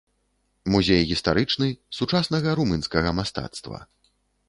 Музей гістарычны, сучаснага румынскага мастацтва.